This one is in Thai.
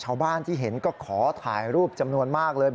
ชาวบ้านที่เห็นก็ขอถ่ายรูปจำนวนมากเลย